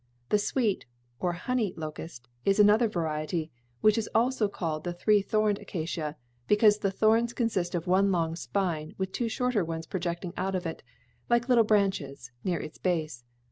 The sweet, or honey, locust is another variety, which is also called the three thorned acacia, because the thorns consist of one long spine with two shorter ones projecting out of it, like little branches, near its base.